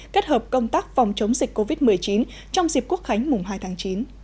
kết hợp công tác phòng chống dịch covid một mươi chín trong dịp quốc khánh mùng hai tháng chín